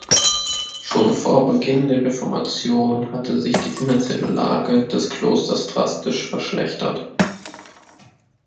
Schon vor Beginn der Reformation hatte sich die finanzielle Lage des Klosters drastisch verschlechtert.